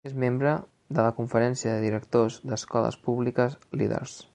És membre de la Conferència de Directors d'escoles públiques líders.